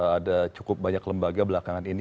ada cukup banyak lembaga belakangan ini